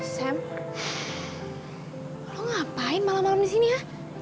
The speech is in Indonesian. sam lo ngapain malem malem disini ya